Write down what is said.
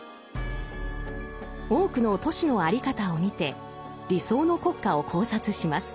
多くの都市の在り方を見て理想の国家を考察します。